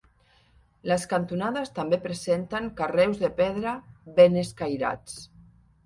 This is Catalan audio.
Les cantonades també presenten carreus de pedra ben escairats.